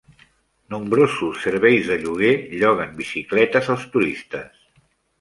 Nombrosos serveis de lloguer lloguen bicicletes als turistes.